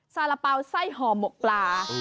สาระเป๋าไส้ห่อหมกปลา